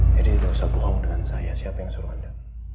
jadi gak usah bohong dengan saya siapa yang suruh anda